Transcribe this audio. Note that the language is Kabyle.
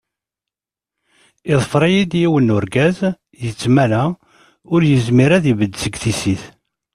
Iḍfer-iyi-d yiwen urgaz, yettmala, ur yezmir ara ad ibedd seg tissit.